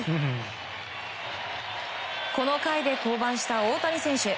この回で降板した大谷選手。